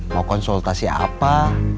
mau konsultasi apa